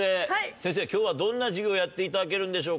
先生今日はどんな授業やっていただけるんでしょうか？